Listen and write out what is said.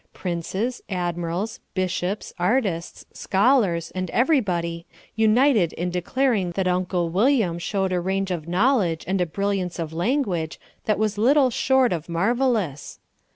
Princes, admirals, bishops, artists, scholars and everybody united in declaring that Uncle William showed a range of knowledge and a brilliance of language that was little short of marvellous.